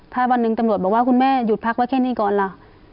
ถ้าวันหนึ่งตำรวจบอกว่าคุณแม่หยุดพักไว้แค่นี้ก่อนล่ะ